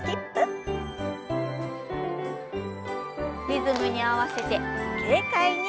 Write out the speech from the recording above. リズムに合わせて軽快に。